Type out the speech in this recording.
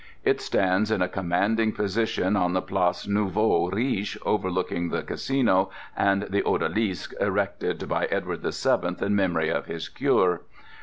It stands in a commanding position on the Place Nouveau Riche overlooking the Casino and the odalisk erected by Edward VII in memory of his cure.